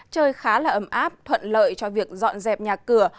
trời khá là ấm áp thuận lợi cho việc dọn dẹp nhà cửa